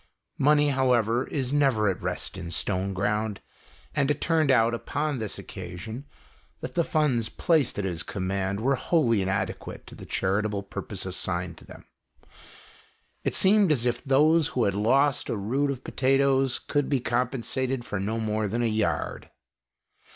Money, however, is never at rest in Stone ground, and it turned out upon this occasion that the funds placed at his command were wholly inadequate to the charitable purpose assigned to them. It seemed as if those who had lost a rood of potatoes could be compen sated for no more than a yard.